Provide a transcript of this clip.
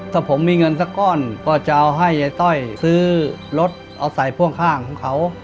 ถ้าผมมีเงินสักก้อนก็จะเอาให้ยายต้อยซื้อรถเอาใส่พ่วงข้างของเขา